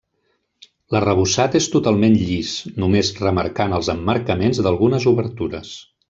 L'arrebossat és totalment llis, només remarcant els emmarcaments d'algunes obertures.